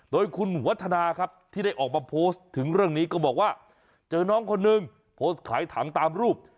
โดยคุณวัฒนาครับที่ได้ออกมาโพสต์ถึงเรื่องนี้ก็บอกว่าเจอน้องคนนึงโพสต์ขายถังตามรูป